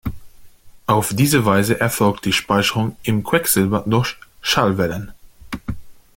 Auf diese Weise erfolgt die Speicherung im Quecksilber durch Schallwellen.